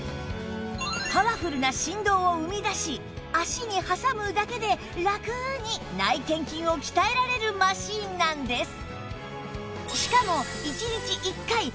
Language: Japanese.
パワフルな振動を生み出し足に挟むだけでラクに内転筋を鍛えられるマシンなんです